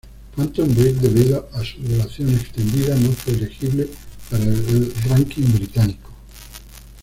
Phantom Bride, debido a su duración extendida, no fue elegible para el ranking británico.